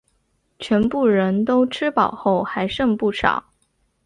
全部人都吃饱后还剩不少